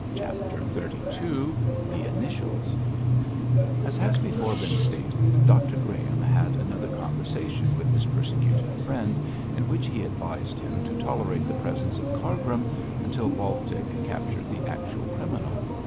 CHAPTER XXXII THE INITIALS As has before been stated, Dr Graham had another conversation with his persecuted friend, in which he advised him to tolerate the presence of Cargrim until Baltic captured the actual criminal.